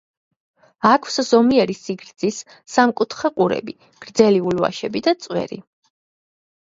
აქვს ზომიერი სიგრძის, სამკუთხა ყურები, გრძელი ულვაშები და წვერი.